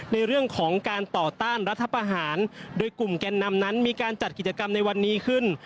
ในเรื่องของการต่อต้านรัฐประหารโดยกลุ่มแก่นนำนั้นมีการจัดกิจกรรมในวันนี้ขึ้น